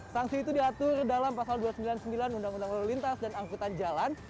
sanksi itu diatur dalam pasal dua ratus sembilan puluh sembilan undang undang lalu lintas dan angkutan jalan